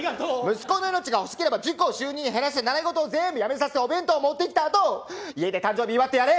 息子の命が欲しければ塾を週２に減らして習い事を全部やめさせてお弁当を持ってきたあと家で誕生日祝ってやれ！